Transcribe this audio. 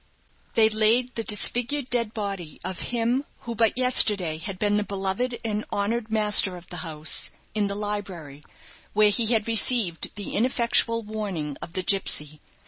They laid the disfigured dead body of him who but yesterday had been the beloved and honoured master of the house in the library, where he had received the ineffectual warning of the gipsy.